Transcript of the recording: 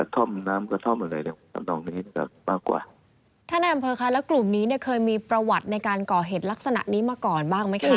ท่านนำเทอร์ค่ะแล้วกลุ่มนี้เคยมีประวัติในการก่อเหตุลักษณะนี้มาก่อนมั้ยคะ